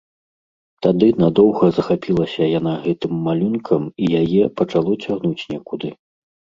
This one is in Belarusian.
Тады надоўга захапілася яна гэтым малюнкам, і яе пачало цягнуць некуды.